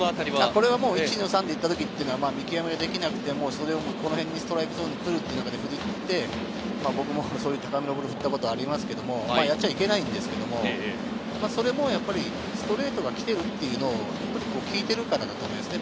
これは１、２の３で行った時、見極めができなくても、この辺にストライクゾーンに来るというので振りにいって、僕もそういう高めのボールを振ったこともあるんですけど、やっちゃいけないんですけれど、それもストレートが来てるっていうのを聞いてるからだと思うんですね。